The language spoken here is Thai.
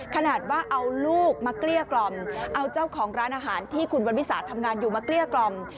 ขนาดว่าเอาลูกมาเกลี้ยกล่อมเอาเจ้าของร้านอาหารที่คุณวันวิสาทำงานอยู่มาเกลี้ยกล่อม